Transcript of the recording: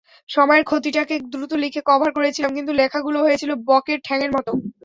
সময়ের ক্ষতিটাকে দ্রুত লিখে কভার করেছিলাম, কিন্তু লেখাগুলো হয়েছিল বকের ঠ্যাঙের মতো।